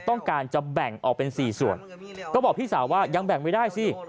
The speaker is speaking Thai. ต้องการจะแบ่งออกเป็น๔ส่วนก็บอกพี่สาวว่ายังแบ่งไม่ได้สิ